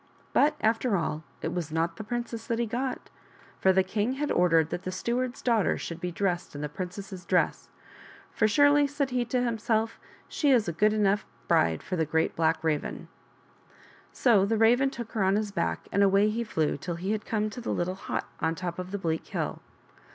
But, after all, it was not the princess that he got, for the king had ordered that the steward's daughter should be dressed in the princess's dress, " for surely," said he to himself, " she is a good enough bride for a Great Black Raven." So the Raven took her on his back and away he flew till he had come to the little hut on top of the bleak hill.